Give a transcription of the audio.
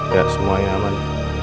ya semuanya aman